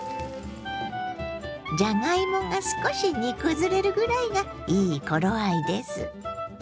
じゃがいもが少し煮崩れるぐらいがいい頃合いです。